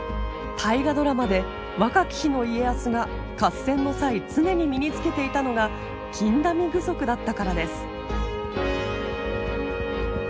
「大河ドラマ」で若き日の家康が合戦の際常に身に着けていたのが金陀美具足だったからです。